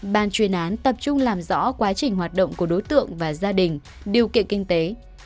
ban chuyên án tập trung làm rõ quá trình hoạt động của đối tượng và gia đình điều kiện kinh tế